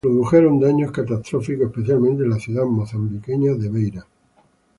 Se produjeron daños catastróficos, especialmente en la ciudad mozambiqueña de Beira.